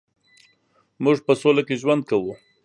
مونږ په سوله کې ژوند کوو